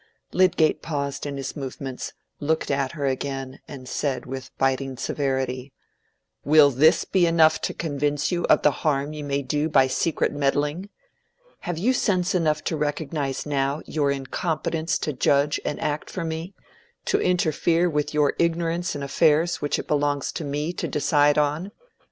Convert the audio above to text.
Lydgate paused in his movements, looked at her again, and said, with biting severity— "Will this be enough to convince you of the harm you may do by secret meddling? Have you sense enough to recognize now your incompetence to judge and act for me—to interfere with your ignorance in affairs which it belongs to me to decide on?"